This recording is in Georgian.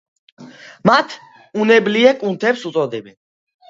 მათ უნებლიე კუნთებს უწოდებენ.